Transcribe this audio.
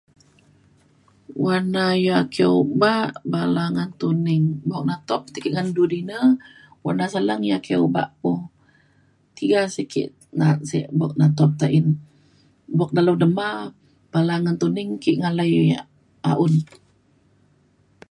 Warna ya' ake obak bala ngan tuning. Bok na tok tai ke ngan du dinner warna saleng ya' ake obak po. Tiga sey ke' na'at sik bok ne to tein. Bok dalau dema, bala ngan tuning ke' ngalai um un.